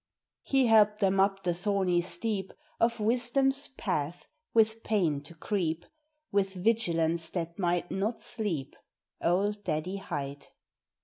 He helped them up the thorny steep Of wisdom's path with pain to creep, With vigilance that might not sleep Old Daddy Hight.